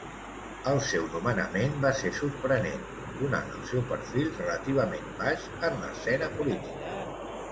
El seu nomenament va ser sorprenent, donat el seu perfil relativament baix en l'escena política.